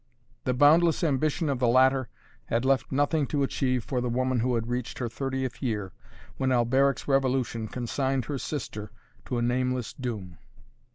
The boundless ambition of the latter had left nothing to achieve for the woman who had reached her thirtieth year when Alberic's revolution consigned her sister to a nameless doom.